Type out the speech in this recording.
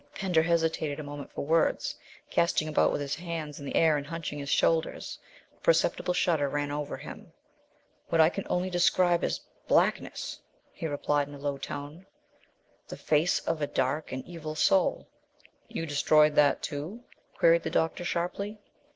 Pender hesitated a moment for words, casting about with his hands in the air and hunching his shoulders. A perceptible shudder ran over him. "What I can only describe as blackness," he replied in a low tone; "the face of a dark and evil soul." "You destroyed that, too?" queried the doctor sharply.